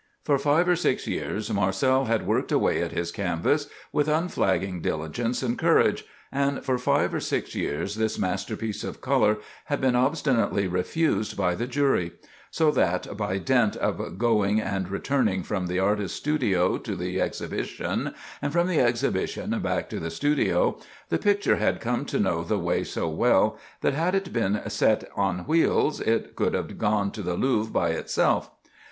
For five or six years Marcel had worked away at his canvas with unflagging diligence and courage, and "for five or six years this masterpiece of color had been obstinately refused by the jury"; so that, by dint of going and returning from the artist's studio to the exhibition, and from the exhibition back to the studio, the picture had come to know the way so well, that, had it been set on wheels, it could have gone to the Louvre by itself.